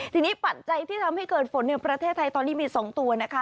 ทีนี้ปัจจัยที่ทำให้เกิดฝนในประเทศไทยตอนนี้มี๒ตัวนะคะ